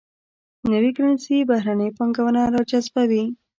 نوي کرنسي بهرنۍ پانګونه راجذبوي.